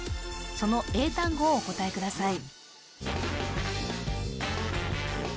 その英単語をお答えください